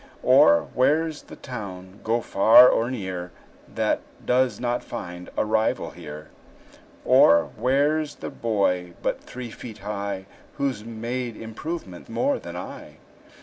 Or, where's the town, go far or near, That does not find a rival here? Or, where 's the boy but three feet high Who's made improvement more than I?